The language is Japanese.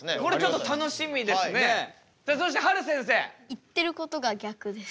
言ってることが逆です。